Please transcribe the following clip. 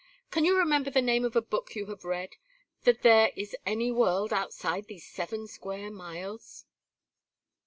Can you remember the name of a book you have read, that there is any world outside these seven square miles?"